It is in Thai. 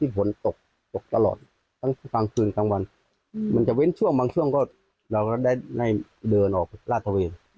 บางช่วงเราก็ได้เดินออกลาดทะเวียน